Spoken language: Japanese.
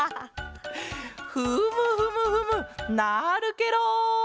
フムフムフムなるケロ！